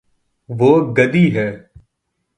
وہ گدی ہے